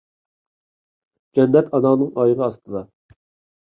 جەننەت ئاناڭنىڭ ئايىغى ئاستىدا.